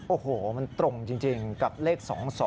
โอ้โหมันตรงจริงกับเลข๒๒